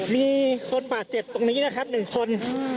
มีคนบาดเจ็บตรงนี้นะครับ๑คน